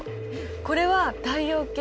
これは太陽系よね？